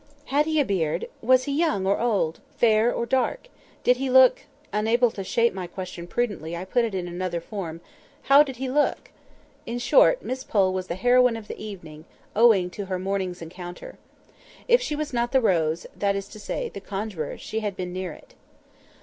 "Had he a beard?" "Was he young, or old?" "Fair, or dark?" "Did he look"—(unable to shape my question prudently, I put it in another form)—"How did he look?" In short, Miss Pole was the heroine of the evening, owing to her morning's encounter. If she was not the rose (that is to say the conjuror) she had been near it.